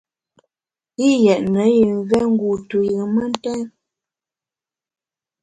Yi yétne yi mvé ngu tuyùn mentèn.